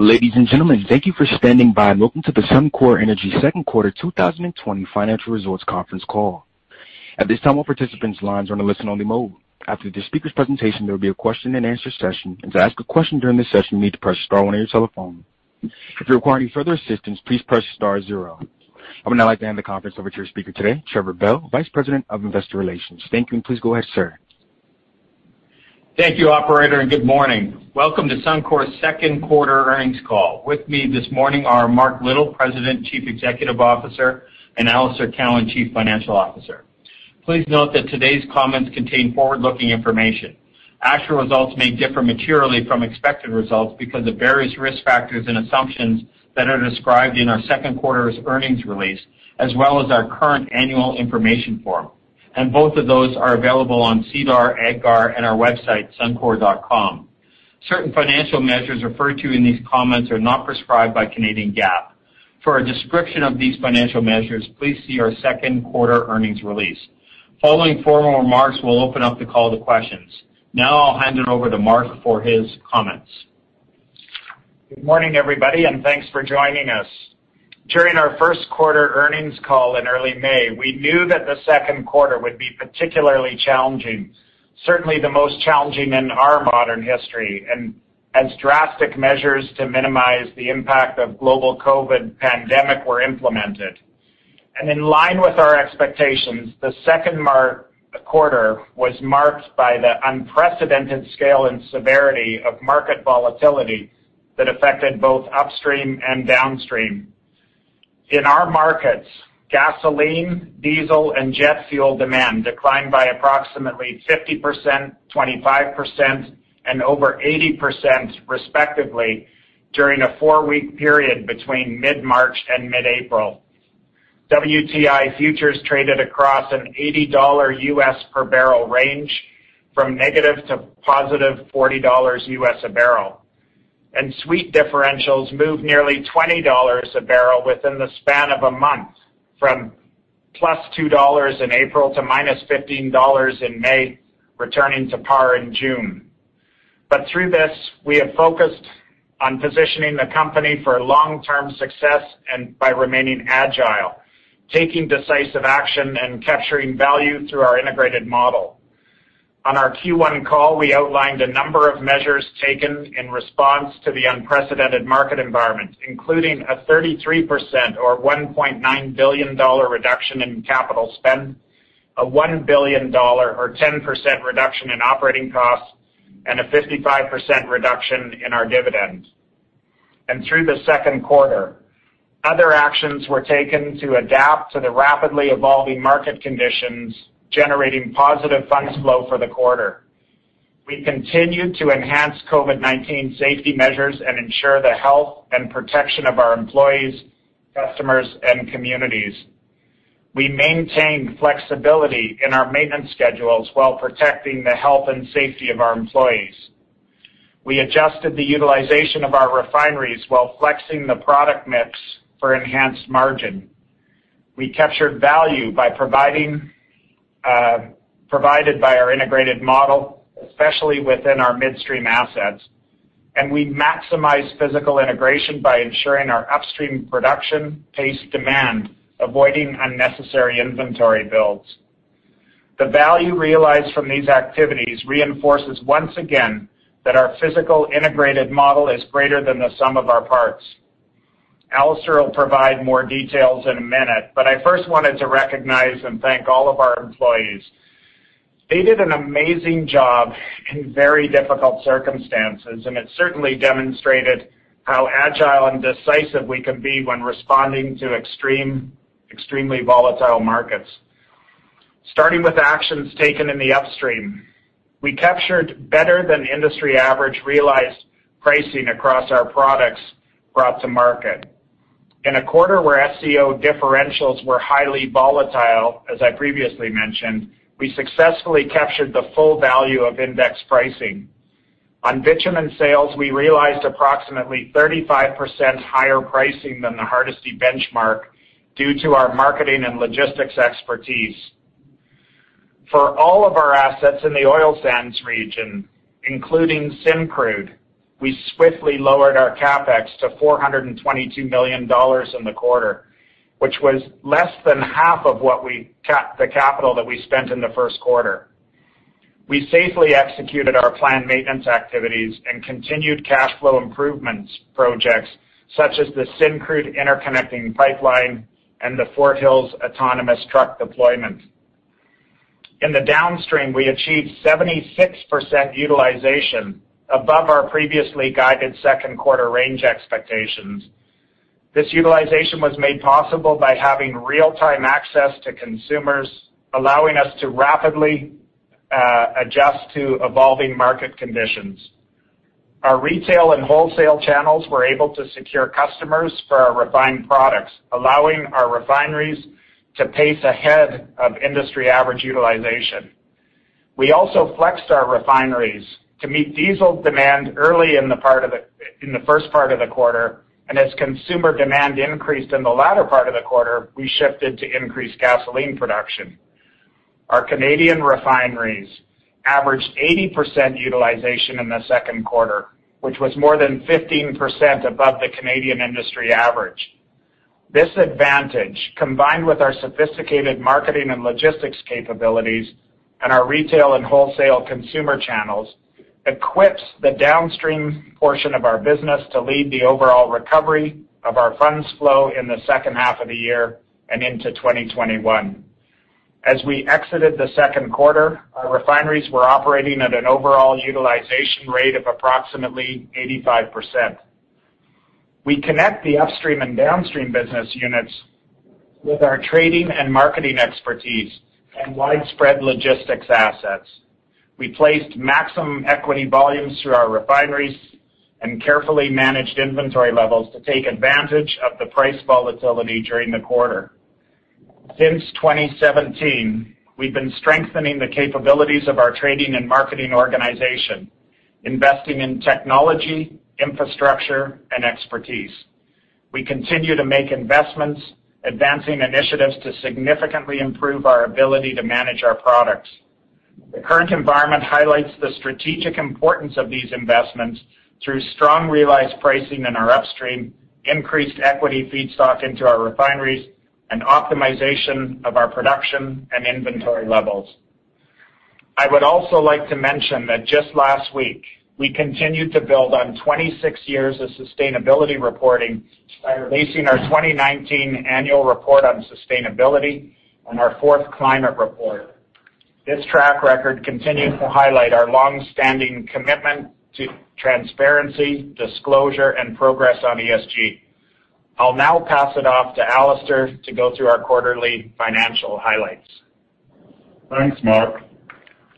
Ladies and gentlemen, thank you for standing by. Welcome to the Suncor Energy Second Quarter 2020 Financial Results Conference Call. At this time, all participants lines are on a listen-only mode. After the speaker's presentation, there will be a question and answer session, and to ask a question during this session, you need to press star one on your telephone. If you require any further assistance, please press star zero. I would now like to hand the conference over to your speaker today, Trevor Bell, Vice President of Investor Relations. Thank you, and please go ahead, sir. Thank you operator and good morning. Welcome to Suncor's second quarter earnings call. With me this morning are Mark Little, President, Chief Executive Officer, and Alister Cowan, Chief Financial Officer. Please note that today's comments contain forward-looking information. Actual results may differ materially from expected results because of various risk factors and assumptions that are described in our second quarter's earnings release, as well as our current annual information form, and both of those are available on SEDAR, EDGAR, and our website, suncor.com. Certain financial measures referred to in these comments are not prescribed by Canadian GAAP. For a description of these financial measures, please see our second quarter earnings release. Following formal remarks, we'll open up the call to questions. Now I'll hand it over to Mark for his comments. Good morning, everybody, and thanks for joining us. During our first quarter earnings call in early May, we knew that the second quarter would be particularly challenging, certainly the most challenging in our modern history, as drastic measures to minimize the impact of global COVID-19 pandemic were implemented. In line with our expectations, the second quarter was marked by the unprecedented scale and severity of market volatility that affected both upstream and downstream. In our markets, gasoline, diesel, and jet fuel demand declined by approximately 50%, 25% and over 80% respectively during a four-week period between mid-March and mid-April. WTI futures traded across an $80 US per barrel range from negative to positive $40 US a barrel. Sweet differentials moved nearly $20 a barrel within the span of a month, from +$2 in April to -$15 in May, returning to par in June. Through this, we have focused on positioning the company for long-term success by remaining agile, taking decisive action, and capturing value through our integrated model. On our Q1 call, we outlined a number of measures taken in response to the unprecedented market environment, including a 33% or 1.9 billion dollar reduction in capital spend, a 1 billion dollar or 10% reduction in operating costs, and a 55% reduction in our dividend. Through the second quarter, other actions were taken to adapt to the rapidly evolving market conditions, generating positive funds flow for the quarter. We continued to enhance COVID-19 safety measures and ensure the health and protection of our employees, customers, and communities. We maintained flexibility in our maintenance schedules while protecting the health and safety of our employees. We adjusted the utilization of our refineries while flexing the product mix for enhanced margin. We captured value provided by our integrated model, especially within our midstream assets. We maximized physical integration by ensuring our upstream production paced demand, avoiding unnecessary inventory builds. The value realized from these activities reinforces once again that our physical integrated model is greater than the sum of our parts. Alister will provide more details in a minute, but I first wanted to recognize and thank all of our employees. They did an amazing job in very difficult circumstances, and it certainly demonstrated how agile and decisive we can be when responding to extremely volatile markets. Starting with actions taken in the upstream. We captured better than industry average realized pricing across our products brought to market. In a quarter where SCO differentials were highly volatile, as I previously mentioned, we successfully captured the full value of index pricing. On bitumen sales, we realized approximately 35% higher pricing than the Hardisty benchmark due to our marketing and logistics expertise. For all of our assets in the oil sands region, including Syncrude, we swiftly lowered our CapEx to 422 million dollars in the quarter, which was less than half of the capital that we spent in the first quarter. We safely executed our planned maintenance activities and continued cash flow improvements projects such as the Syncrude interconnecting pipeline and the Fort Hills autonomous truck deployment. In the downstream, we achieved 76% utilization above our previously guided second quarter range expectations. This utilization was made possible by having real-time access to consumers, allowing us to rapidly adjust to evolving market conditions. Our retail and wholesale channels were able to secure customers for our refined products, allowing our refineries to pace ahead of industry average utilization. We also flexed our refineries to meet diesel demand early in the first part of the quarter, and as consumer demand increased in the latter part of the quarter, we shifted to increase gasoline production. Our Canadian refineries averaged 80% utilization in the second quarter, which was more than 15% above the Canadian industry average. This advantage, combined with our sophisticated marketing and logistics capabilities and our retail and wholesale consumer channels, equips the downstream portion of our business to lead the overall recovery of our funds flow in the second half of the year and into 2021. As we exited the second quarter, our refineries were operating at an overall utilization rate of approximately 85%. We connect the upstream and downstream business units with our trading and marketing expertise and widespread logistics assets. We placed maximum equity volumes through our refineries and carefully managed inventory levels to take advantage of the price volatility during the quarter. Since 2017, we've been strengthening the capabilities of our trading and marketing organization, investing in technology, infrastructure, and expertise. We continue to make investments, advancing initiatives to significantly improve our ability to manage our products. The current environment highlights the strategic importance of these investments through strong realized pricing in our upstream, increased equity feedstock into our refineries, and optimization of our production and inventory levels. I would also like to mention that just last week, we continued to build on 26 years of sustainability reporting by releasing our 2019 annual report on sustainability and our fourth climate report. This track record continues to highlight our longstanding commitment to transparency, disclosure, and progress on ESG. I'll now pass it off to Alister to go through our quarterly financial highlights. Thanks, Mark.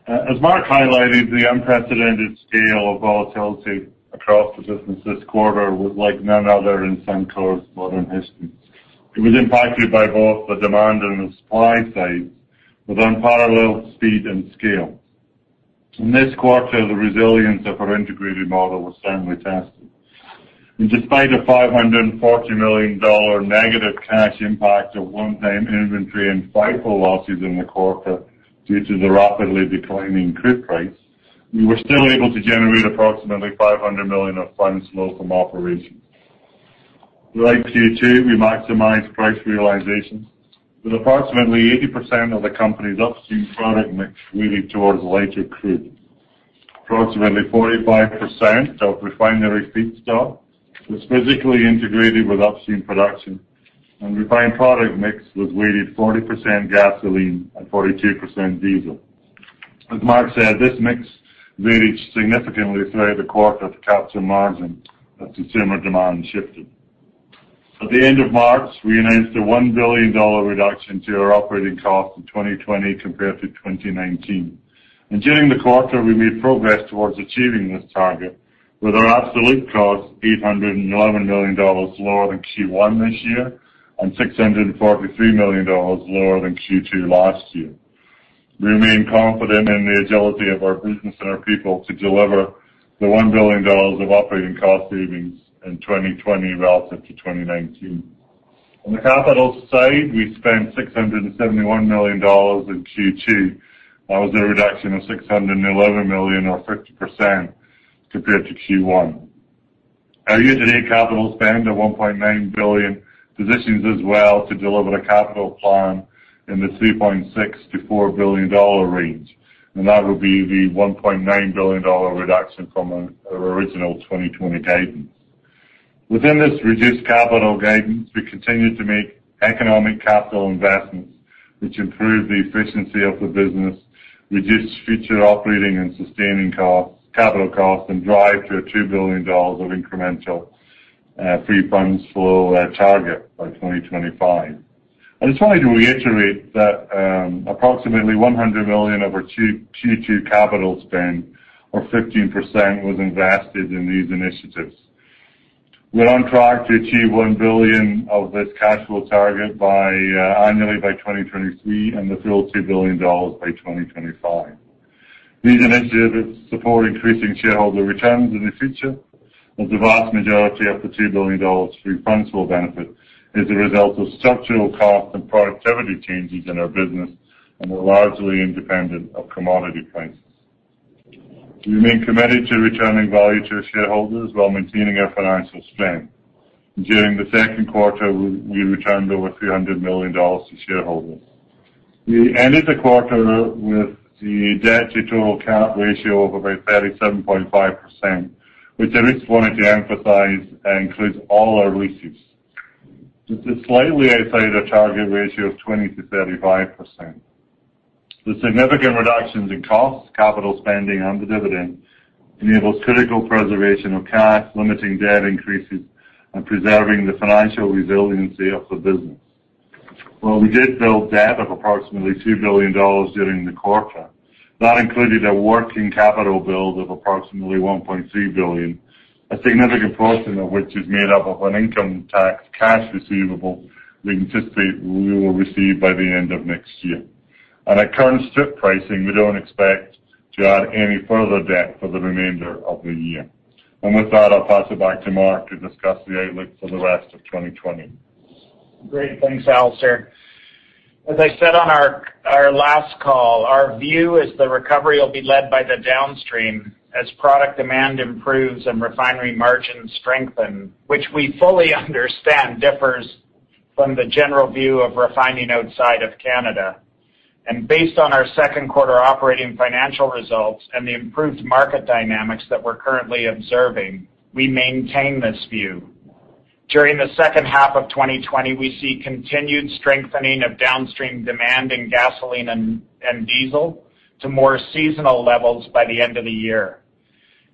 As Mark highlighted, the unprecedented scale of volatility across the business this quarter was like none other in Suncor's modern history. It was impacted by both the demand and the supply sides with unparalleled speed and scale. In this quarter, the resilience of our integrated model was certainly tested. Despite a 540 million dollar negative cash impact of one-time inventory and FIFO losses in the quarter due to the rapidly declining crude price, we were still able to generate approximately 500 million of funds flow from operations. Like Q2, we maximized price realization with approximately 80% of the company's upstream product mix weighted towards lighter crude. Approximately 45% of refinery feedstock was physically integrated with upstream production, and refined product mix was weighted 40% gasoline and 42% diesel. As Mark said, this mix varied significantly throughout the quarter to capture margin as consumer demand shifted. At the end of March, we announced a 1 billion dollar reduction to our operating cost in 2020 compared to 2019. During the quarter, we made progress towards achieving this target with our absolute cost 811 million dollars lower than Q1 this year and 643 million dollars lower than Q2 last year. We remain confident in the agility of our business and our people to deliver the 1 billion dollars of operating cost savings in 2020 relative to 2019. On the capital side, we spent 671 million dollars in Q2. That was a reduction of 611 million or 50% compared to Q1. Our year-to-date capital spend of 1.9 billion positions us well to deliver a capital plan in the 3.6 billion-4 billion dollar range, and that would be the 1.9 billion dollar reduction from our original 2020 guidance. Within this reduced capital guidance, we continue to make economic capital investments which improve the efficiency of the business, reduce future operating and sustaining costs, capital costs, and drive to a 2 billion dollars of incremental free funds flow target by 2025. I just wanted to reiterate that approximately 100 million of our Q2 capital spend, or 15%, was invested in these initiatives. We're on track to achieve 1 billion of this cash flow target annually by 2023 and the full 2 billion dollars by 2025. These initiatives support increasing shareholder returns in the future, as the vast majority of the 2 billion dollars free funds flow benefit is a result of structural cost and productivity changes in our business and are largely independent of commodity prices. We remain committed to returning value to our shareholders while maintaining our financial strength. During the second quarter, we returned over 300 million dollars to shareholders. We ended the quarter with the debt to total capital ratio of about 37.5%, which I just wanted to emphasize includes all our leases. This is slightly outside our target ratio of 20%-35%. The significant reductions in costs, capital spending, and the dividend enables critical preservation of cash, limiting debt increases, and preserving the financial resiliency of the business. While we did build debt of approximately 2 billion dollars during the quarter, that included a working capital build of approximately 1.3 billion, a significant portion of which is made up of an income cracks cash receivable we anticipate we will receive by the end of next year. At current strip pricing, we don't expect to add any further debt for the remainder of the year. With that, I'll pass it back to Mark to discuss the outlook for the rest of 2020. Great. Thanks, Alister. As I said on our last call, our view is the recovery will be led by the downstream as product demand improves and refinery margins strengthen, which we fully understand differs from the general view of refining outside of Canada. Based on our second quarter operating financial results and the improved market dynamics that we're currently observing, we maintain this view. During the second half of 2020, we see continued strengthening of downstream demand in gasoline and diesel to more seasonal levels by the end of the year.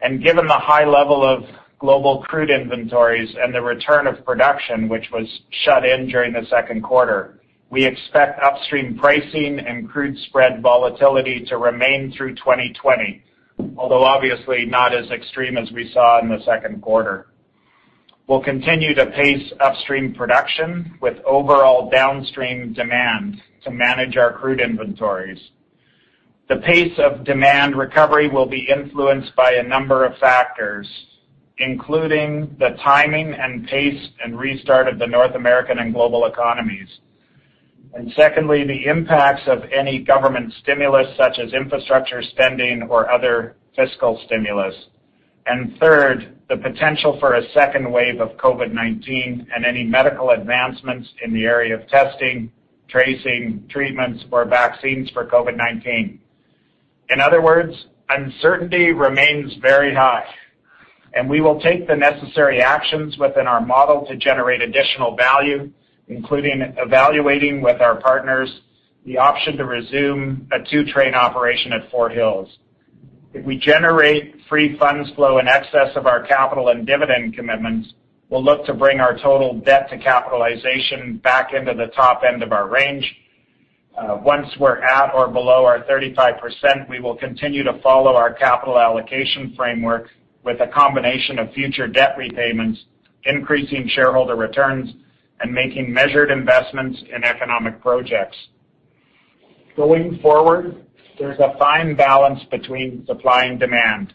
Given the high level of global crude inventories and the return of production which was shut in during the second quarter, we expect upstream pricing and crude spread volatility to remain through 2020, although obviously not as extreme as we saw in the second quarter. We'll continue to pace upstream production with overall downstream demand to manage our crude inventories. The pace of demand recovery will be influenced by a number of factors, including the timing and pace and restart of the North American and global economies. Secondly, the impacts of any government stimulus, such as infrastructure spending or other fiscal stimulus. Third, the potential for a second wave of COVID-19 and any medical advancements in the area of testing, tracing, treatments, or vaccines for COVID-19. In other words, uncertainty remains very high, and we will take the necessary actions within our model to generate additional value, including evaluating with our partners the option to resume a two-train operation at Fort Hills. If we generate free funds flow in excess of our capital and dividend commitments, we'll look to bring our total debt to capitalization back into the top end of our range. Once we are at or below our 35%, we will continue to follow our capital allocation framework with a combination of future debt repayments, increasing shareholder returns, and making measured investments in economic projects. Going forward, there is a fine balance between supply and demand.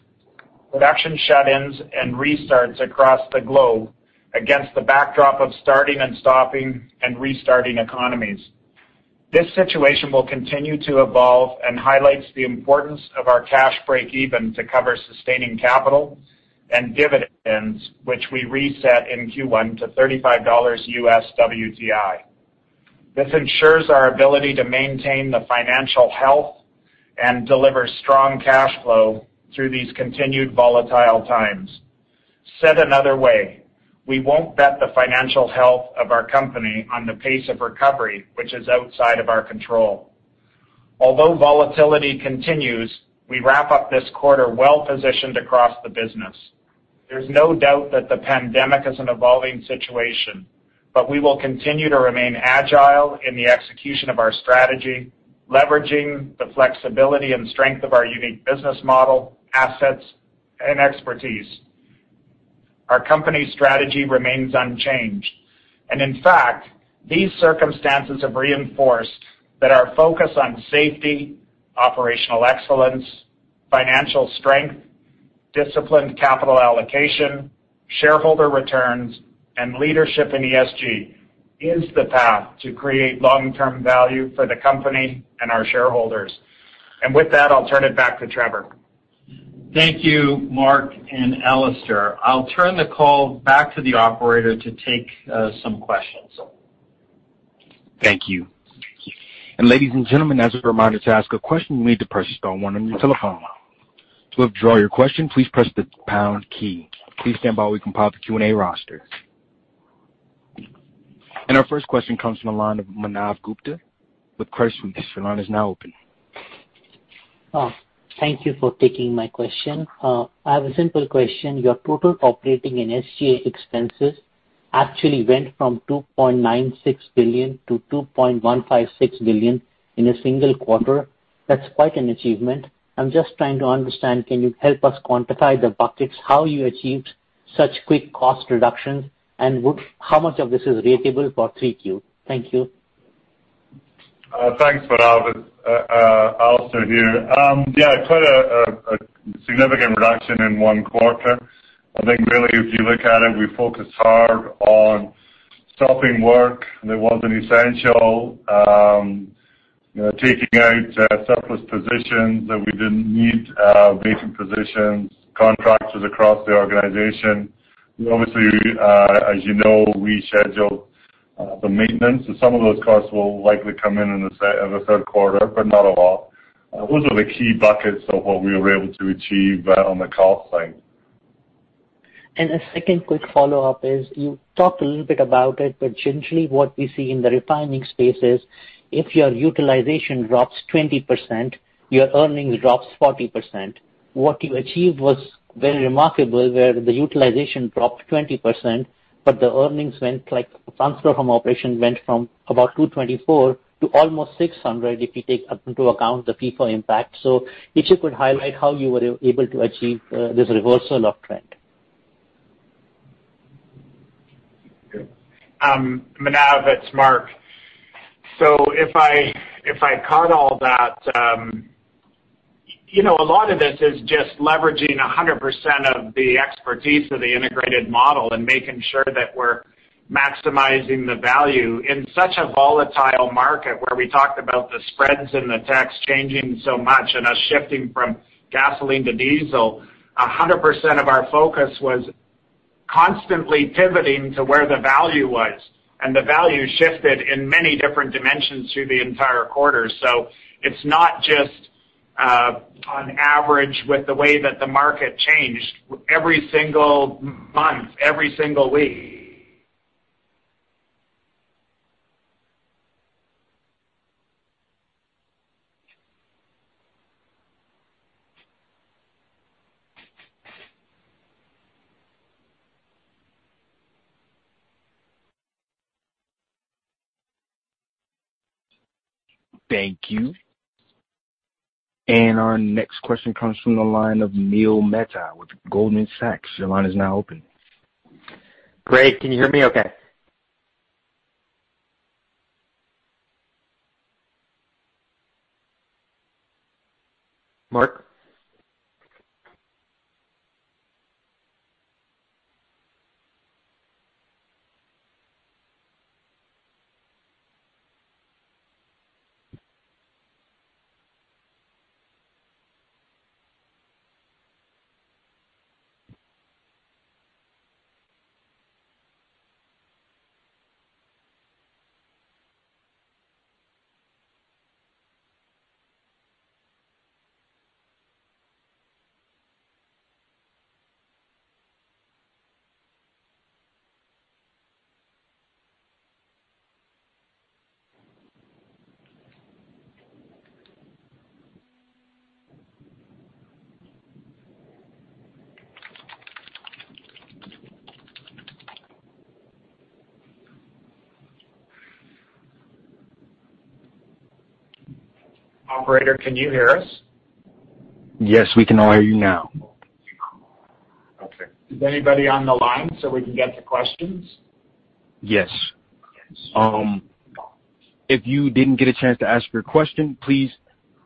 Production shut-ins and restarts across the globe against the backdrop of starting and stopping and restarting economies. This situation will continue to evolve and highlights the importance of our cash breakeven to cover sustaining capital and dividends, which we reset in Q1 to $35 US WTI. This ensures our ability to maintain the financial health and deliver strong cash flow through these continued volatile times. Said another way, we will not bet the financial health of our company on the pace of recovery, which is outside of our control. Although volatility continues, we wrap up this quarter well-positioned across the business. There's no doubt that the pandemic is an evolving situation, but we will continue to remain agile in the execution of our strategy, leveraging the flexibility and strength of our unique business model, assets, and expertise. Our company strategy remains unchanged. In fact, these circumstances have reinforced that our focus on safety, operational excellence, financial strength, disciplined capital allocation, shareholder returns, and leadership in ESG is the path to create long-term value for the company and our shareholders. With that, I'll turn it back to Trevor. Thank you, Mark and Alister. I'll turn the call back to the operator to take some questions. Thank you. Ladies and gentlemen, as a reminder, to ask a question, you need to press star one on your telephone. To withdraw your question, please press the pound key. Please stand by while we compile the Q&A roster. Our first question comes from the line of Manav Gupta with Credit Suisse. This line is now open. Thank you for taking my question. I have a simple question. Your total operating and SG&A expenses actually went from 2.96 billion to 2.156 billion in a single quarter. That's quite an achievement. I'm just trying to understand, can you help us quantify the buckets, how you achieved such quick cost reductions, and how much of this is ratable for 3Q? Thank you. Thanks, Manav. Alister here. Yeah, quite a significant reduction in one quarter. I think really, if you look at it, we focused hard on stopping work that wasn't essential, taking out surplus positions that we didn't need, vacant positions, contractors across the organization. We obviously, as you know, rescheduled the maintenance, and some of those costs will likely come in in the third quarter, but not all. Those are the key buckets of what we were able to achieve on the cost side. A second quick follow-up is, you talked a little bit about it, but generally what we see in the refining space is if your utilization drops 20%, your earnings drops 40%. What you achieved was very remarkable, where the utilization dropped 20%, but the earnings, uncertain went from about 224 to almost 600 if you take into account the FIFO impact. If you could highlight how you were able to achieve this reversal of trend? Manav, it's Mark. If I caught all that, a lot of this is just leveraging 100% of the expertise of the integrated model and making sure that we're maximizing the value in such a volatile market where we talked about the spreads and the tax changing so much and us shifting from gasoline to diesel, 100% of our focus was constantly pivoting to where the value was, and the value shifted in many different dimensions through the entire quarter. It's not just on average with the way that the market changed every single month, every single week. Thank you. Our next question comes from the line of Neil Mehta with Goldman Sachs. Your line is now open. Great. Can you hear me okay? Mark? Operator, can you hear us? Yes, we can all hear you now. Okay. Is anybody on the line so we can get the questions? Yes. If you didn't get a chance to ask your question, please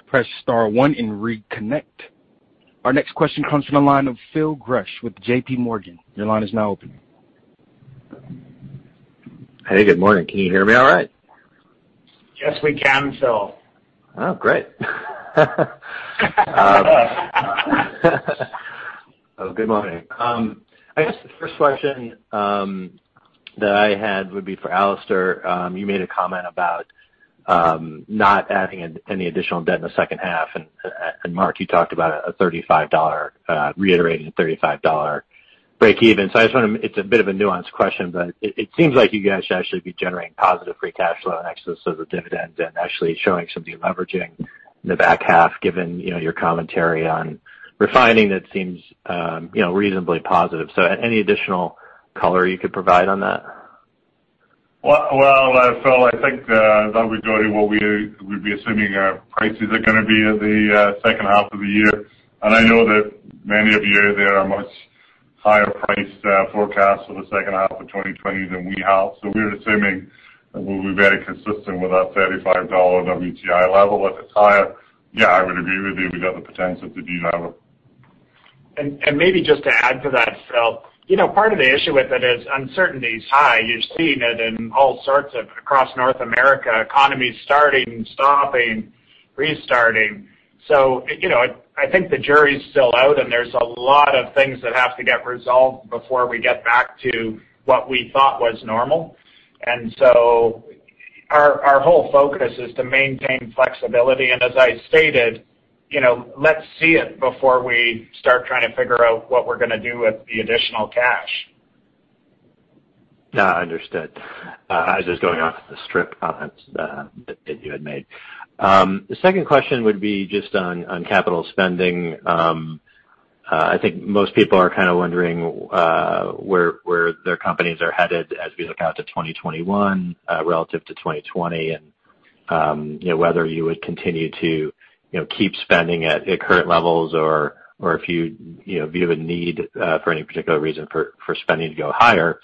press star 1 and reconnect. Our next question comes from the line of Phil Gresh with JPMorgan. Your line is now open. Hey, good morning. Can you hear me all right? Yes, we can, Phil. Oh, great. Good morning. I guess the first question that I had would be for Alister. You made a comment about not adding any additional debt in the second half, and Mark, you talked about reiterating a $35 breakeven. It's a bit of a nuanced question, but it seems like you guys should actually be generating positive free cash flow in excess of the dividend and actually showing some deleveraging in the back half, given your commentary on refining it seems reasonably positive. Any additional color you could provide on that? Well, Phil, I think that would go to what we'd be assuming our prices are going to be in the second half of the year. I know that many of you there are much higher price forecasts for the second half of 2020 than we have. we're assuming that we'll be very consistent with that $35 WTI level. If it's higher, yeah, I would agree with you, we've got the potential to delever. Maybe just to add to that, Phil. Part of the issue with it is uncertainty is high. You're seeing it in all sorts of across North America, economies starting, stopping, restarting. I think the jury's still out and there's a lot of things that have to get resolved before we get back to what we thought was normal. Our whole focus is to maintain flexibility, and as I stated, let's see it before we start trying to figure out what we're going to do with the additional cash. Understood. I was just going off the script comments that you had made. The second question would be just on capital spending. I think most people are kind of wondering where their companies are headed as we look out to 2021 relative to 2020, and whether you would continue to keep spending at current levels or if you have a need for any particular reason for spending to go higher.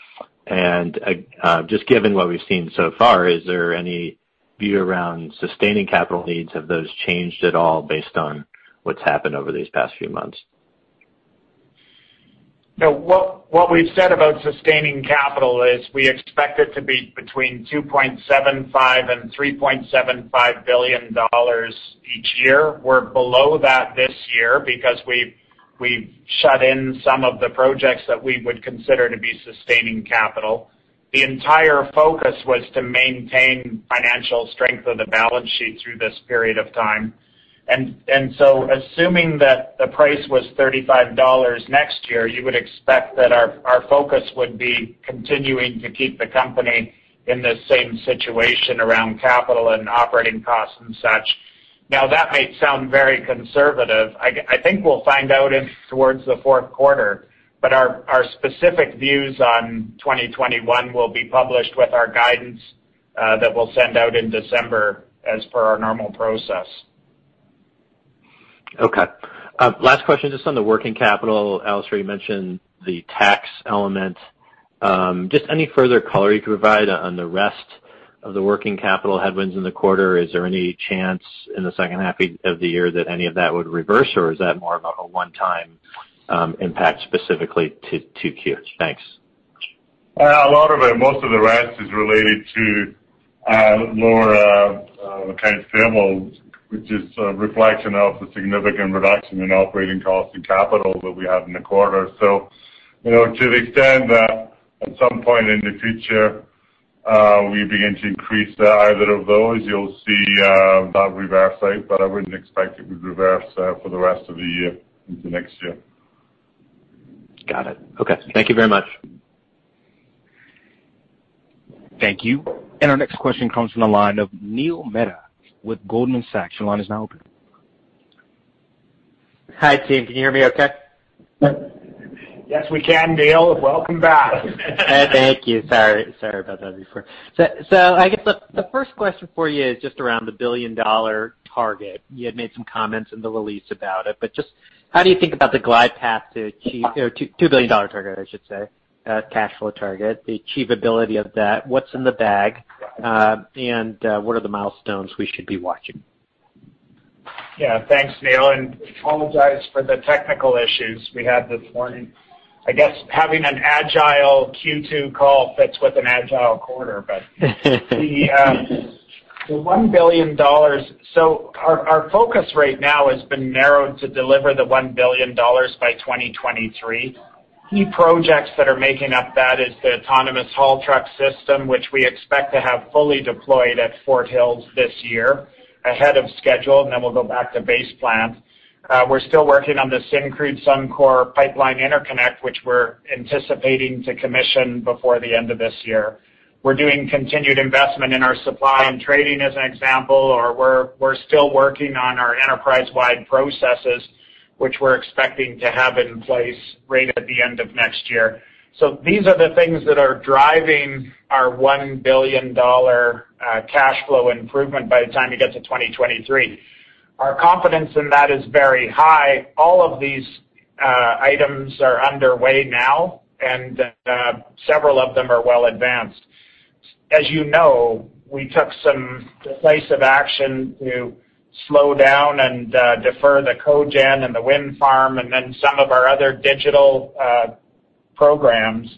Just given what we've seen so far, is there any view around sustaining capital needs? Have those changed at all based on what's happened over these past few months? What we've said about sustaining capital is we expect it to be between 2.75 billion and 3.75 billion dollars each year. We're below that this year because we've shut in some of the projects that we would consider to be sustaining capital. The entire focus was to maintain financial strength of the balance sheet through this period of time. Assuming that the price was 35 dollars next year, you would expect that our focus would be continuing to keep the company in the same situation around capital and operating costs and such. That might sound very conservative. I think we'll find out towards the fourth quarter, but our specific views on 2021 will be published with our guidance that we'll send out in December as per our normal process. Okay. Last question, just on the working capital. Al, you already mentioned the tax element. Just any further color you could provide on the rest of the working capital headwinds in the quarter? Is there any chance in the second half of the year that any of that would reverse, or is that more of a one-time impact specifically to Q? Thanks. A lot of it, most of the rest is related to lower kind of thermals, which is a reflection of the significant reduction in operating costs and capital that we have in the quarter. To the extent that at some point in the future we begin to increase either of those, you'll see that reverse. I wouldn't expect it would reverse for the rest of the year into next year. Got it. Okay. Thank you very much. Thank you. Our next question comes from the line of Neil Mehta with Goldman Sachs. Your line is now open. Hi, team. Can you hear me okay? Yes, we can, Neil. Welcome back. Thank you. Sorry about that before. I guess the first question for you is just around the billion-dollar target. You had made some comments in the release about it, just how do you think about the glide path to achieve 2 billion dollar target, I should say, cash flow target, the achievability of that? What's in the bag? What are the milestones we should be watching? Thanks, Neil, and apologize for the technical issues we had this morning. Having an agile Q2 call fits with an agile quarter. The 1 billion dollars. Our focus right now has been narrowed to deliver the 1 billion dollars by 2023. Key projects that are making up that is the autonomous haul truck system, which we expect to have fully deployed at Fort Hills this year ahead of schedule, and then we'll go back to base plan. We're still working on the Syncrude/Suncor pipeline interconnect, which we're anticipating to commission before the end of this year. We're doing continued investment in our supply and trading as an example, or we're still working on our enterprise-wide processes, which we're expecting to have in place right at the end of next year. These are the things that are driving our 1 billion dollar cash flow improvement by the time you get to 2023. Our confidence in that is very high. All of these items are underway now, and several of them are well advanced. As you know, we took some decisive action to slow down and defer the cogen and the wind farm and then some of our other digital programs,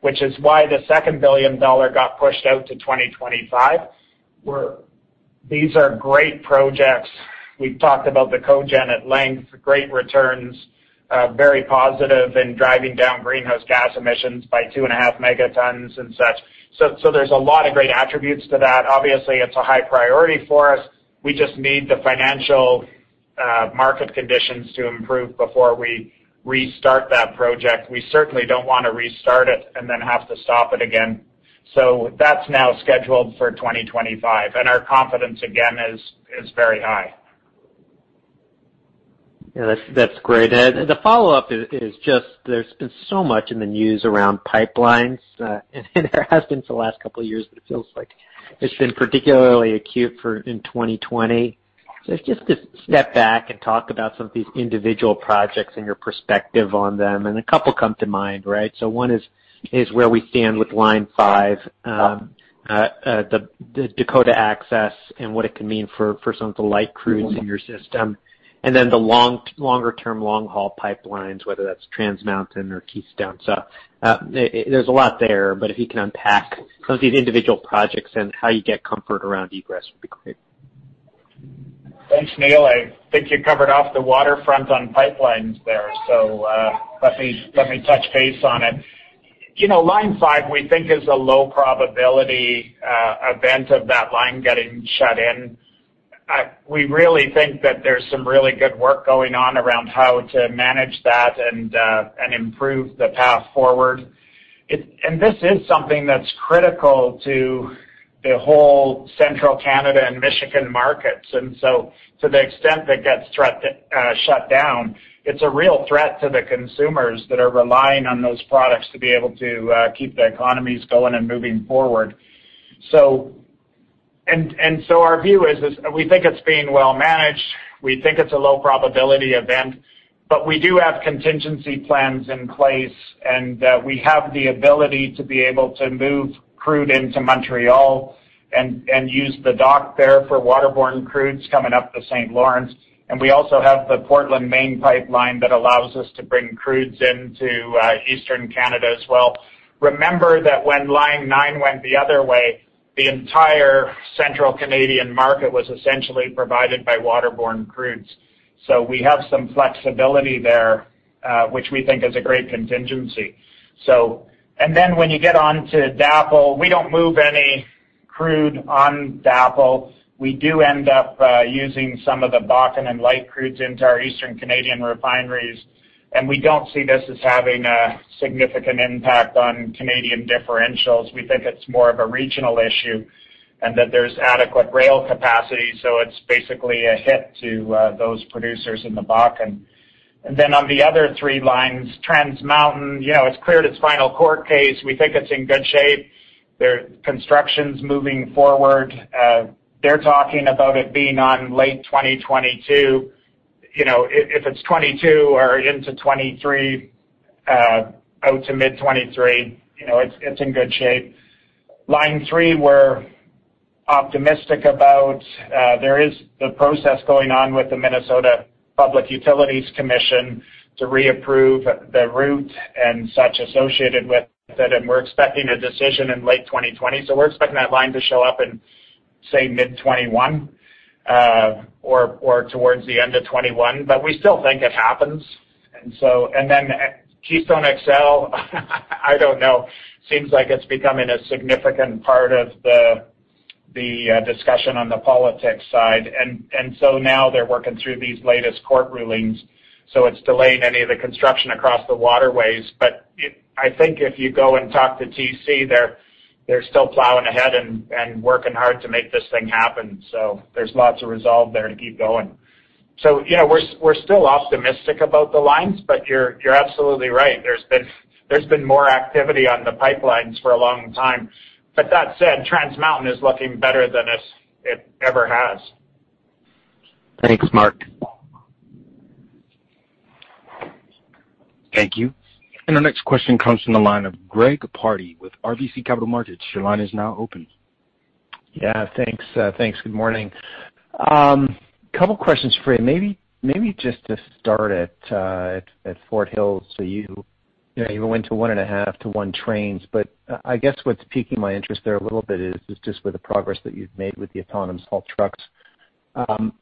which is why the second 2 billion dollar got pushed out to 2025, where these are great projects. We've talked about the cogen at length, great returns, very positive in driving down greenhouse gas emissions by 2.5 megatons and such. There's a lot of great attributes to that. Obviously, it's a high priority for us. We just need the financial market conditions to improve before we restart that project. We certainly don't want to restart it and then have to stop it again. That's now scheduled for 2025, and our confidence again, is very high. Yeah, that's great. The follow-up is just there's been so much in the news around pipelines and there has been for the last couple of years, but it feels like it's been particularly acute in 2020. If you could just step back and talk about some of these individual projects and your perspective on them, and a couple come to mind, right? One is where we stand with Line 5, the Dakota Access and what it can mean for some of the light crudes in your system, and then the longer-term long-haul pipelines, whether that's Trans Mountain or Keystone. There's a lot there, but if you can unpack some of these individual projects and how you get comfort around egress would be great. Thanks, Neil. I think you covered off the waterfront on pipelines there, so let me touch base on it. Line 5, we think is a low probability event of that line getting shut in. We really think that there's some really good work going on around how to manage that and improve the path forward. This is something that's critical to the whole Central Canada and Michigan markets, to the extent that gets shut down, it's a real threat to the consumers that are relying on those products to be able to keep the economies going and moving forward. Our view is we think it's being well managed. We think it's a low probability event, but we do have contingency plans in place, and we have the ability to be able to move crude into Montreal and use the dock there for waterborne crudes coming up the Saint Lawrence. We also have the Portland, Maine pipeline that allows us to bring crudes into Eastern Canada as well. Remember that when Line 9 went the other way, the entire central Canadian market was essentially provided by waterborne crudes. We have some flexibility there, which we think is a great contingency. When you get onto DAPL, we don't move any crude on DAPL. We do end up using some of the Bakken and light crudes into our Eastern Canadian refineries, and we don't see this as having a significant impact on Canadian differentials. We think it's more of a regional issue and that there's adequate rail capacity, so it's basically a hit to those producers in the Bakken. On the other three lines, Trans Mountain it's cleared its final court case. We think it's in good shape. Their construction's moving forward. They're talking about it being on late 2022. If it's 2022 or into 2023, out to mid 2023, it's in good shape. Line 3, we're optimistic about. There is the process going on with the Minnesota Public Utilities Commission to reapprove the route and such associated with it, and we're expecting a decision in late 2020. We're expecting that line to show up in, say, mid 2021 or towards the end of 2021, but we still think it happens. Keystone XL, I don't know. Seems like it's becoming a significant part of the discussion on the politics side. Now they're working through these latest court rulings, so it's delaying any of the construction across the waterways. I think if you go and talk to TC, they're still plowing ahead and working hard to make this thing happen. There's lots of resolve there to keep going. We're still optimistic about the lines, but you're absolutely right. There's been more activity on the pipelines for a long time. That said, Trans Mountain is looking better than it ever has. Thanks, Mark. Thank you. Our next question comes from the line of Greg Pardy with RBC Capital Markets. Your line is now open. Yeah, thanks. Good morning. Couple questions for you. Maybe just to start at Fort Hills. You went to one and a half to one trains. I guess what's piquing my interest there a little bit is just with the progress that you've made with the autonomous haul trucks.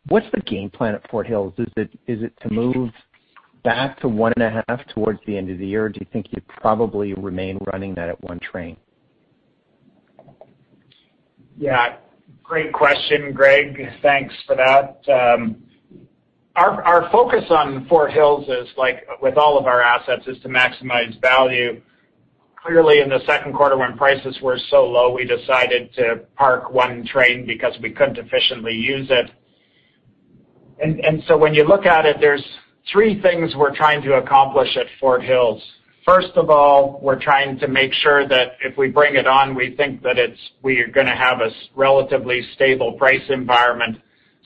What's the game plan at Fort Hills? Is it to move back to one and a half towards the end of the year, or do you think you'd probably remain running that at one train? Yeah. Great question, Greg. Thanks for that. Our focus on Fort Hills is, like with all of our assets, is to maximize value. Clearly, in the second quarter when prices were so low, we decided to park one train because we couldn't efficiently use it. When you look at it, there's three things we're trying to accomplish at Fort Hills. First of all, we're trying to make sure that if we bring it on, we think that we are going to have a relatively stable price environment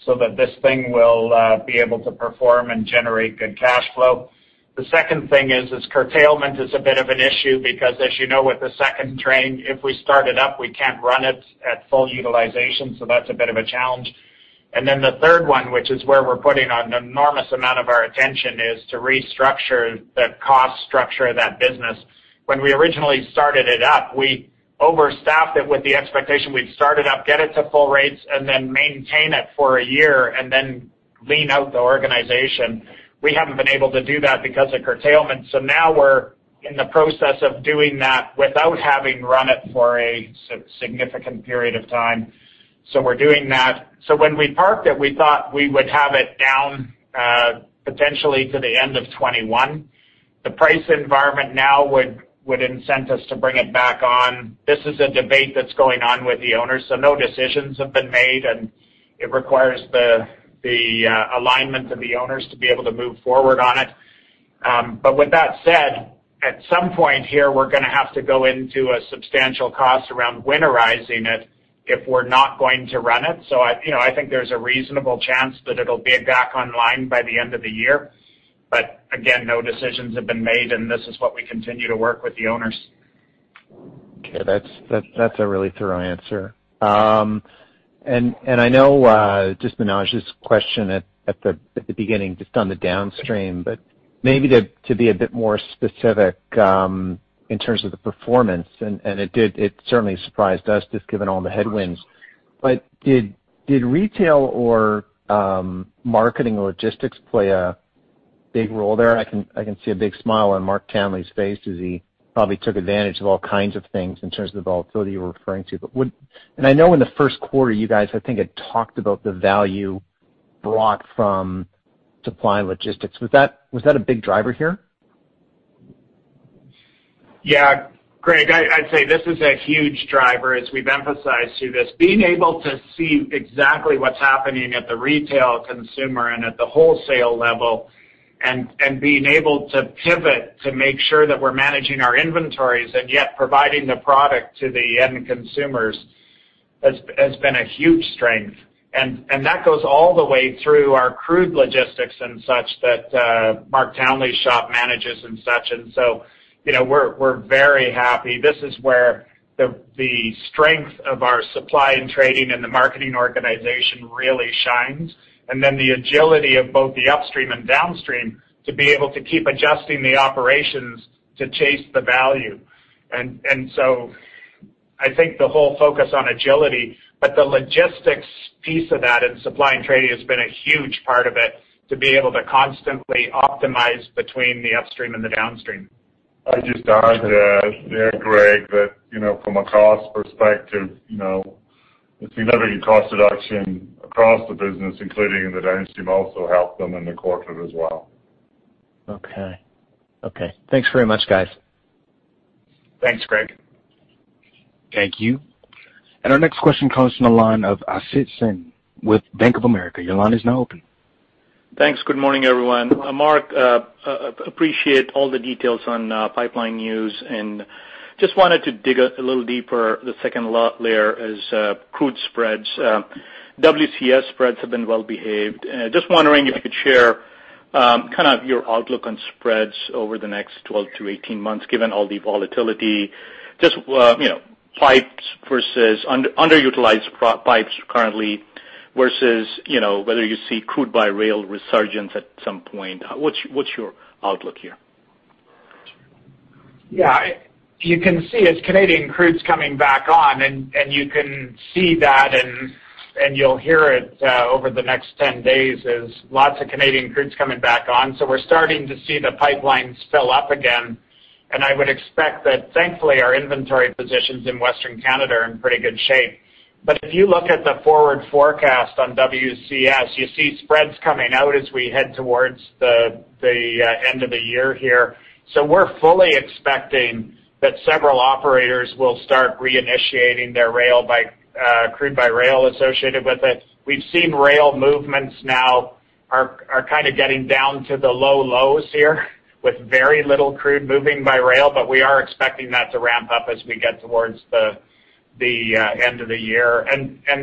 so that this thing will be able to perform and generate good cash flow. The second thing is curtailment is a bit of an issue because as you know, with the second train, if we start it up, we can't run it at full utilization. That's a bit of a challenge. The third one, which is where we're putting an enormous amount of our attention, is to restructure the cost structure of that business. When we originally started it up, we overstaffed it with the expectation we'd start it up, get it to full rates, and then maintain it for a year, and then lean out the organization. We haven't been able to do that because of curtailment. Now we're in the process of doing that without having run it for a significant period of time. We're doing that. When we parked it, we thought we would have it down, potentially to the end of 2021. The price environment now would incent us to bring it back on. This is a debate that's going on with the owners, so no decisions have been made, and it requires the alignment of the owners to be able to move forward on it. With that said, at some point here, we're going to have to go into a substantial cost around winterizing it if we're not going to run it. I think there's a reasonable chance that it'll be back online by the end of the year. Again, no decisions have been made, and this is what we continue to work with the owners. Okay. That's a really thorough answer. I know just Manav's question at the beginning, just on the downstream, maybe to be a bit more specific in terms of the performance, it certainly surprised us, just given all the headwinds. Did retail or marketing or logistics play a big role there? I can see a big smile on Mark Townley's face as he probably took advantage of all kinds of things in terms of the volatility you were referring to. I know in the first quarter, you guys, I think, had talked about the value brought from supply and logistics. Was that a big driver here? Yeah. Greg, I'd say this is a huge driver, as we've emphasized through this. Being able to see exactly what's happening at the retail consumer and at the wholesale level and being able to pivot to make sure that we're managing our inventories and yet providing the product to the end consumers has been a huge strength. That goes all the way through our crude logistics and such that Mark Townley's shop manages and such. We're very happy. This is where the strength of our supply and trading and the marketing organization really shines, and then the agility of both the upstream and downstream to be able to keep adjusting the operations to chase the value. I think the whole focus on agility, but the logistics piece of that and supply and trading has been a huge part of it, to be able to constantly optimize between the upstream and the downstream. I'd just add there, Greg, that from a cost perspective, the significant cost reduction across the business, including in the downstream, also helped them in the quarter as well. Okay. Thanks very much, guys. Thanks, Greg. Thank you. Our next question comes from the line of Asit Sen with Bank of America. Your line is now open. Thanks. Good morning, everyone. Mark, appreciate all the details on pipeline news, just wanted to dig a little deeper. The second layer is crude spreads. WCS spreads have been well-behaved. Wondering if you could share your outlook on spreads over the next 12-18 months, given all the volatility. Pipes versus underutilized proposed pipes currently, versus whether you see crude-by-rail resurgence at some point. What's your outlook here? Yeah. You can see as Canadian crude's coming back on, and you can see that and you'll hear it over the next 10 days, is lots of Canadian crude's coming back on. We're starting to see the pipelines fill up again. I would expect that thankfully, our inventory positions in Western Canada are in pretty good shape. If you look at the forward forecast on WCS, you see spreads coming out as we head towards the end of the year here. We're fully expecting that several operators will start reinitiating their crude-by-rail associated with it. We've seen rail movements now are kind of getting down to the low lows here, with very little crude moving by rail, but we are expecting that to ramp up as we get towards the end of the year.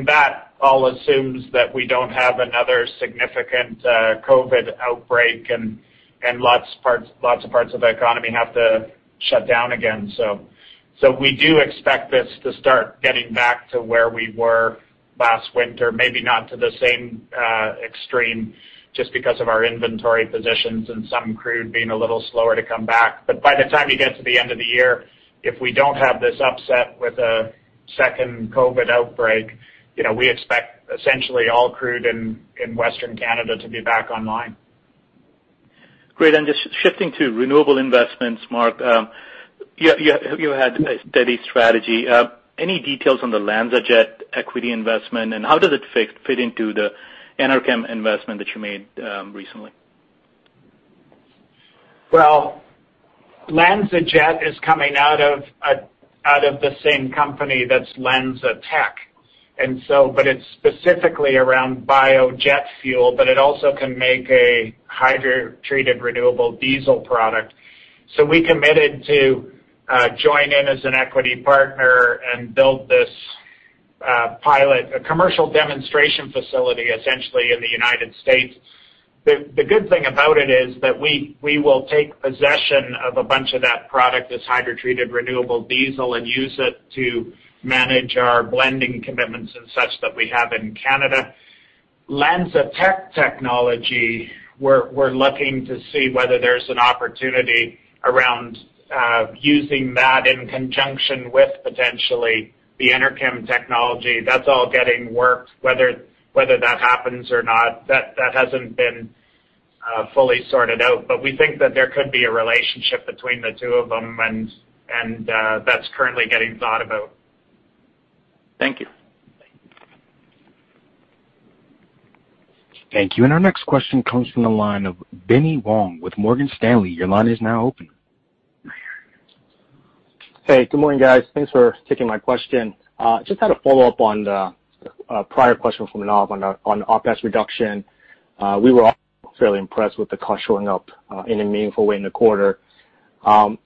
That all assumes that we don't have another significant COVID-19 outbreak and lots of parts of the economy have to shut down again. We do expect this to start getting back to where we were last winter. Maybe not to the same extreme, just because of our inventory positions and some crude being a little slower to come back. By the time you get to the end of the year, if we don't have this upset with a second COVID-19 outbreak, we expect essentially all crude in Western Canada to be back online. Great. Just shifting to renewable investments, Mark. You had a steady strategy. Any details on the LanzaJet equity investment, and how does it fit into the Enerkem investment that you made recently? LanzaJet is coming out of the same company that's LanzaTech. It's specifically around biojet fuel, but it also can make a hydrotreated renewable diesel product. We committed to join in as an equity partner and build this pilot, a commercial demonstration facility, essentially in the U.S. The good thing about it is that we will take possession of a bunch of that product, this hydrotreated renewable diesel, and use it to manage our blending commitments and such that we have in Canada. LanzaTech technology, we're looking to see whether there's an opportunity around using that in conjunction with potentially the Enerkem technology. That's all getting worked, whether that happens or not, that hasn't been fully sorted out. We think that there could be a relationship between the two of them, and that's currently getting thought about. Thank you. Thank you. Our next question comes from the line of Benny Wong with Morgan Stanley. Your line is now open. Hey, good morning, guys. Thanks for taking my question. Just had a follow-up on the prior question from Manav on the OpEx reduction. We were all fairly impressed with the cost showing up in a meaningful way in the quarter.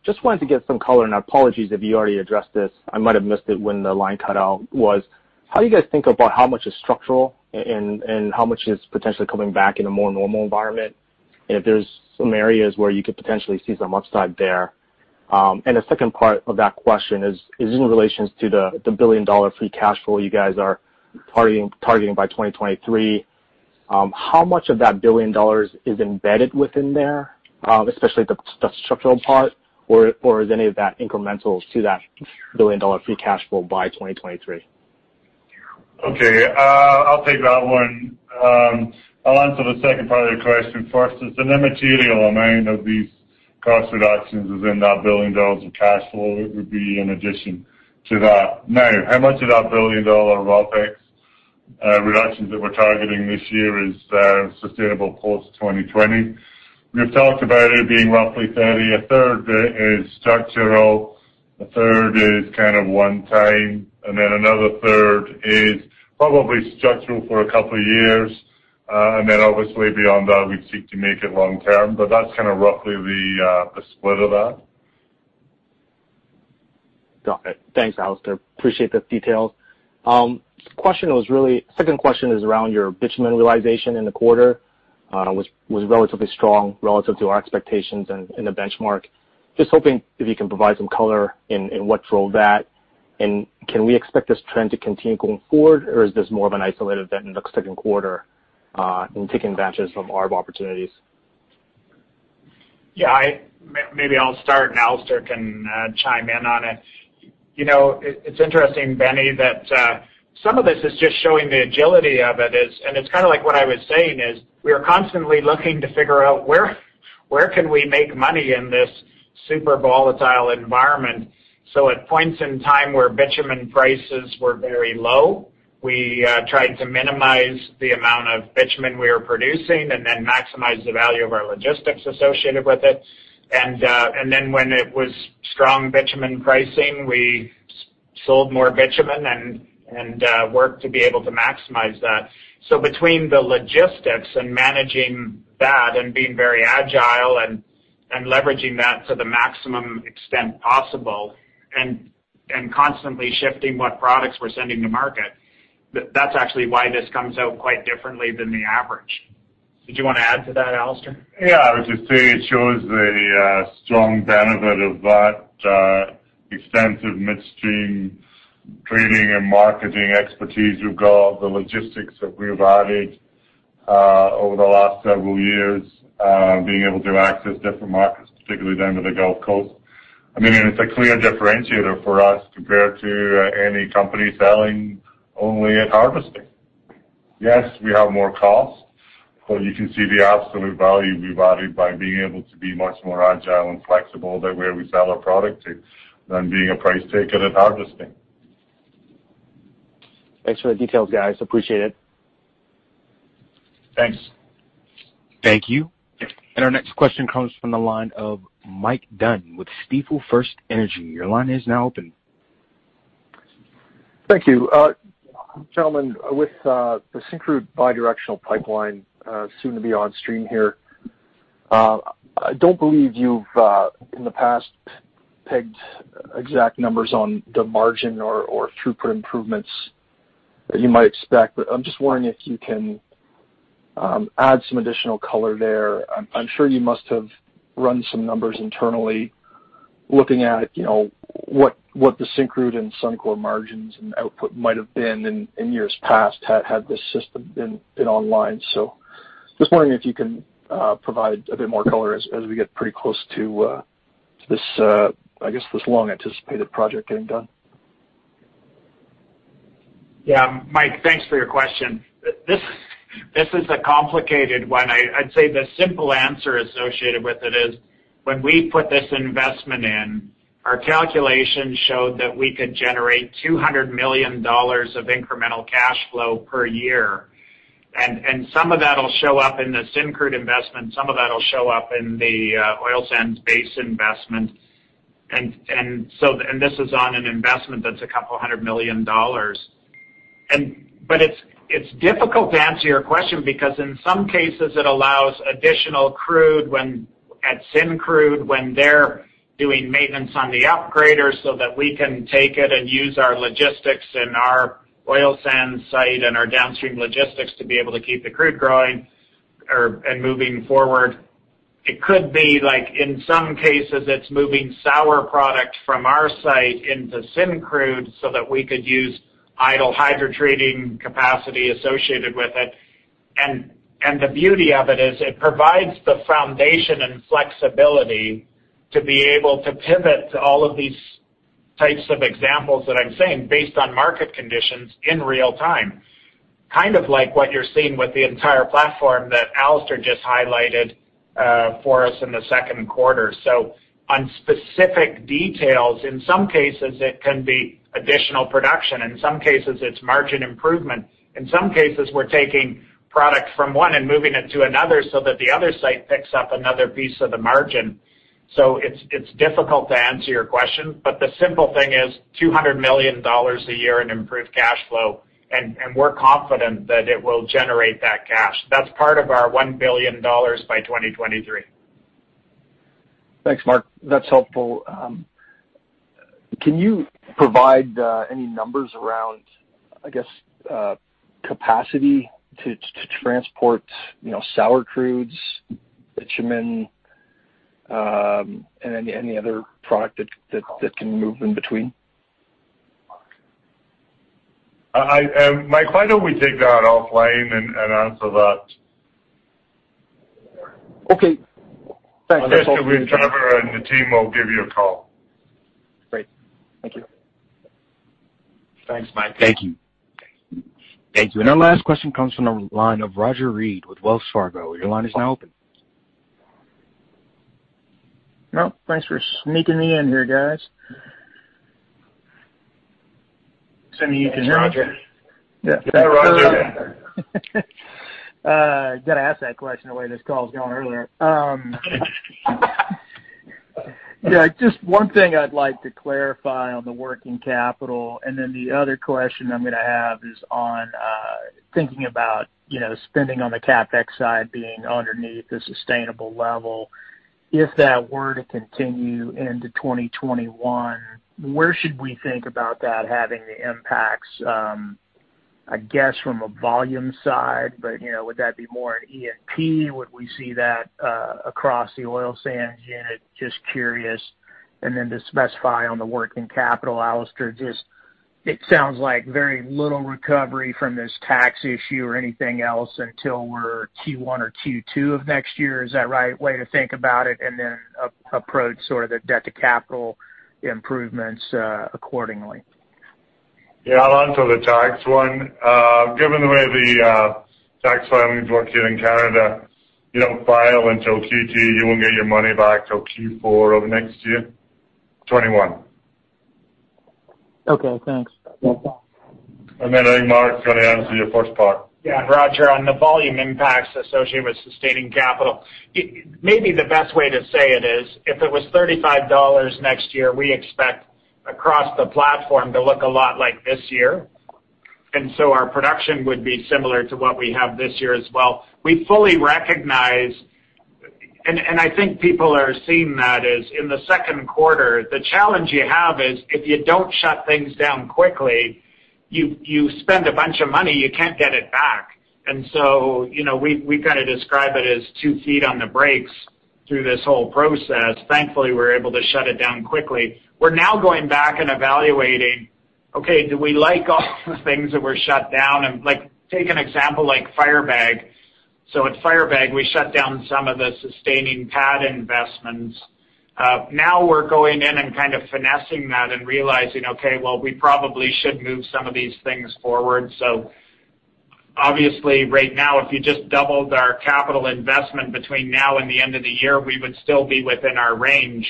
Just wanted to get some color, and apologies if you already addressed this, I might have missed it when the line cut out, was how you guys think about how much is structural and how much is potentially coming back in a more normal environment, and if there's some areas where you could potentially see some upside there. The second part of that question is in relations to the billion-dollar free cash flow you guys are targeting by 2023. How much of that 1 billion dollars is embedded within there, especially the structural part? Is any of that incremental to that billion-dollar free cash flow by 2023? Okay. I'll take that one. I'll answer the second part of your question first. It's an immaterial amount of these cost reductions is in that 1 billion dollars of cash flow. It would be in addition to that. How much of that 1 billion-dollar OpEx reductions that we're targeting this year is sustainable post-2020? We've talked about it being roughly 30%. A third bit is structural, a third is kind of one-time, and then another third is probably structural for a couple of years. Obviously beyond that, we'd seek to make it long-term. That's kind of roughly the split of that. Got it. Thanks, Alister. Appreciate the details. Second question is around your bitumen realization in the quarter, which was relatively strong relative to our expectations and the benchmark. Just hoping if you can provide some color in what drove that. Can we expect this trend to continue going forward, or is this more of an isolated event in the second quarter in taking advantage of arb opportunities? Yeah. Maybe I'll start and Alister can chime in on it. It's interesting, Benny, that some of this is just showing the agility of it. It's kind of like what I was saying is we are constantly looking to figure out where can we make money in this super volatile environment. At points in time where bitumen prices were very low. We tried to minimize the amount of bitumen we were producing and then maximize the value of our logistics associated with it. When it was strong bitumen pricing, we sold more bitumen and worked to be able to maximize that. Between the logistics and managing that and being very agile and leveraging that to the maximum extent possible and constantly shifting what products we're sending to market, that's actually why this comes out quite differently than the average. Did you want to add to that, Alister? Yeah, I was just saying it shows the strong benefit of that extensive midstream trading and marketing expertise we've got, the logistics that we've added over the last several years being able to access different markets, particularly down to the Gulf Coast. I mean, it's a clear differentiator for us compared to any company selling only at Hardisty. Yes, we have more cost, but you can see the absolute value we've added by being able to be much more agile and flexible than where we sell our product to than being a price taker at Hardisty. Thanks for the details, guys. Appreciate it. Thanks. Thank you. Our next question comes from the line of Mike Dunn with Stifel FirstEnergy. Your line is now open. Thank you. Gentlemen, with the Syncrude bidirectional pipeline soon to be on stream here, I don't believe you've, in the past, pegged exact numbers on the margin or throughput improvements that you might expect. I'm just wondering if you can add some additional color there. I'm sure you must have run some numbers internally looking at what the Syncrude and Suncor margins and output might have been in years past had this system been online. Just wondering if you can provide a bit more color as we get pretty close to this long-anticipated project getting done. Yeah, Mike, thanks for your question. This is a complicated one. I'd say the simple answer associated with it is when we put this investment in, our calculations showed that we could generate 200 million dollars of incremental cash flow per year. Some of that'll show up in the Syncrude investment, some of that'll show up in the oil sands base investment. This is on an investment that's CAD a couple of hundred million. It's difficult to answer your question because in some cases, it allows additional crude at Syncrude when they're doing maintenance on the upgrader so that we can take it and use our logistics and our oil sands site and our downstream logistics to be able to keep the crude growing and moving forward. It could be like in some cases, it's moving sour product from our site into Syncrude so that we could use idle hydrotreating capacity associated with it. The beauty of it is it provides the foundation and flexibility to be able to pivot to all of these types of examples that I'm saying based on market conditions in real time. Kind of like what you're seeing with the entire platform that Alister just highlighted for us in the second quarter. On specific details, in some cases, it can be additional production. In some cases, it's margin improvement. In some cases, we're taking product from one and moving it to another so that the other site picks up another piece of the margin. It's difficult to answer your question, but the simple thing is 200 million dollars a year in improved cash flow, and we're confident that it will generate that cash. That's part of our 1 billion dollars by 2023. Thanks, Mark. That's helpful. Can you provide any numbers around, I guess capacity to transport sour crudes, bitumen, and any other product that can move in between? Mike, why don't we take that offline and answer that? Okay. Thanks. Jennifer and the team will give you a call. Great. Thank you. Thanks, Mike. Thank you. Our last question comes from the line of Roger Read with Wells Fargo. Your line is now open. Well, thanks for sneaking me in here, guys. Send you to Roger. Yeah, Roger. Got to ask that question the way this call's going earlier. Yeah, just one thing I'd like to clarify on the working capital, and then the other question I'm going to have is on thinking about spending on the CapEx side being underneath the sustainable level. If that were to continue into 2021, where should we think about that having the impacts, I guess, from a volume side, but would that be more at E&P? Would we see that across the oil sands unit? Just curious. To specify on the working capital, Alister, it sounds like very little recovery from this tax issue or anything else until we're Q1 or Q2 of next year. Is that right way to think about it? Approach sort of the debt to capital improvements accordingly. Yeah, I'll answer the tax one. Given the way the tax filings work here in Canada, you don't file until Q2. You won't get your money back till Q4 of next year 2021. Okay, thanks. I think Mark's going to answer your first part. Yeah, Roger, on the volume impacts associated with sustaining capital. Maybe the best way to say it is, if it was 35 dollars next year, we expect across the platform to look a lot like this year. Our production would be similar to what we have this year as well. We fully recognize, and I think people are seeing that as in the second quarter, the challenge you have is if you don't shut things down quickly, you spend a bunch of money, you can't get it back. We kind of describe it as two feet on the brakes through this whole process. Thankfully, we're able to shut it down quickly. We're now going back and evaluating, okay, do we like all the things that were shut down? Take an example like Firebag. At Firebag, we shut down some of the sustaining pad investments. Now we're going in and kind of finessing that and realizing, okay, well, we probably should move some of these things forward. Obviously, right now, if you just doubled our capital investment between now and the end of the year, we would still be within our range.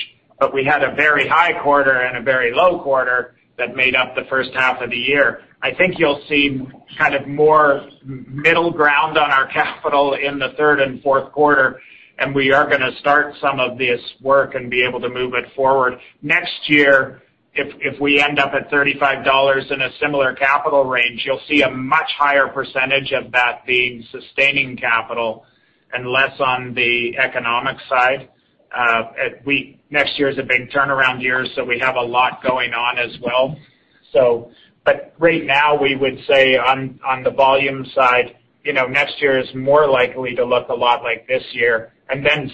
We had a very high quarter and a very low quarter that made up the first half of the year. I think you'll see kind of more middle ground on our capital in the third and fourth quarter, and we are going to start some of this work and be able to move it forward. Next year, if we end up at 35 dollars in a similar capital range, you'll see a much higher percentage of that being sustaining capital and less on the economic side. Next year is a big turnaround year, so we have a lot going on as well. Right now, we would say on the volume side, next year is more likely to look a lot like this year.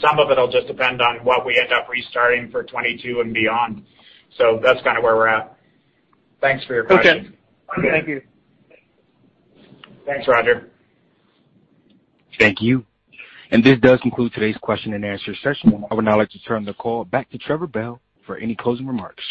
Some of it'll just depend on what we end up restarting for 2022 and beyond. That's kind of where we're at. Thanks for your question. Okay. Thank you. Thanks, Roger. Thank you. This does conclude today's question and answer session. I would now like to turn the call back to Trevor Bell for any closing remarks.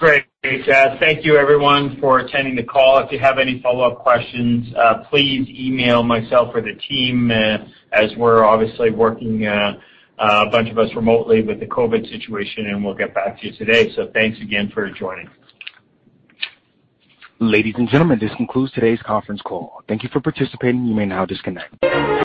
Great. Thank you everyone for attending the call. If you have any follow-up questions, please email myself or the team as we're obviously working, a bunch of us remotely with the COVID situation, and we'll get back to you today. Thanks again for joining. Ladies and gentlemen, this concludes today's conference call. Thank you for participating. You may now disconnect.